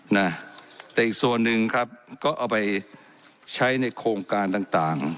นะแต่อีกส่วนหนึ่งครับก็เอาไปใช้ในโครงการต่างต่าง